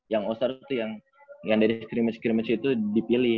yang all star tuh yang yang dari scrimmage scrimmage itu dipilih